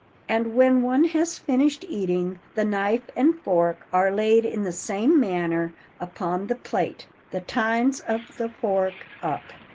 And when one has finished eating, the knife and fork are laid in the same manner upon the plate, the tines of the fork up.